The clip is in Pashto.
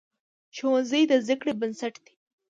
ښوونځی د زده کړې بنسټ دی.